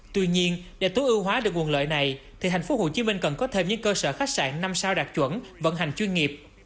tuy nhiên để tối ưu hóa được nguồn lợi này thì thành phố hồ chí minh cần có thêm những cơ sở khách sạn năm sao đạt chuẩn vận hành chuyên nghiệp